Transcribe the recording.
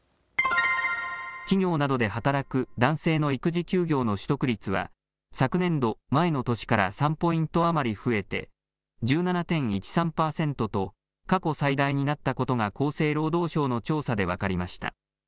企業などで働く男性の育児休業の取得率は昨年度、前の年から３ポイント余り増えて１７．１３％と過去最大になったことが厚生労働省の調査で分かりました。